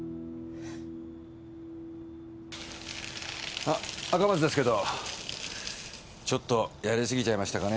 あっ赤松ですけどちょっとやり過ぎちゃいましたかね？